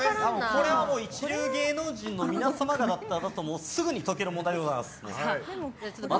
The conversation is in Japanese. これは一流芸能人の皆様方だったらすぐに解ける問題でございます。